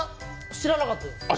知らなかったです。